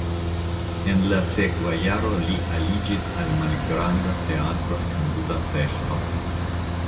En la sekva jaro li aliĝis al malgranda teatro en Budapeŝto.